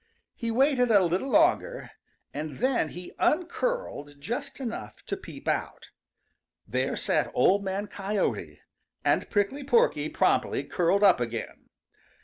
He waited a little longer, and then he uncurled just enough to peep out. There sat Old Man Coyote, and Prickly Porky promptly curled up again.